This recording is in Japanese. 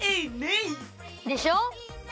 でしょ？